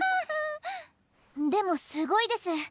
でもすごいです。